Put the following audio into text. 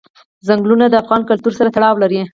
چنګلونه د افغان کلتور سره تړاو لري.